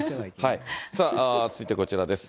さあ、続いてこちらです。